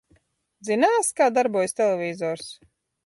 Zināsi, kā darbojas televizors?